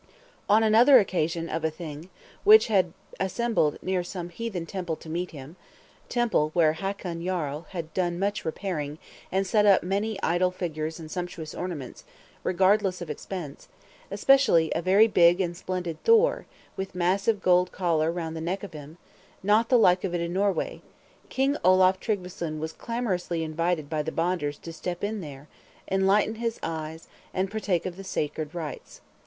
On another occasion of a Thing, which had assembled near some heathen temple to meet him, temple where Hakon Jarl had done much repairing, and set up many idol figures and sumptuous ornaments, regardless of expense, especially a very big and splendid Thor, with massive gold collar round the neck of him, not the like of it in Norway, King Olaf Tryggveson was clamorously invited by the Bonders to step in there, enlighten his eyes, and partake of the sacred rites.